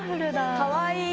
かわいい。